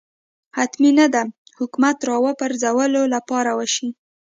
حتمي نه ده حکومت راپرځولو لپاره وشي